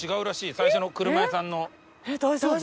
最初の車屋さんの。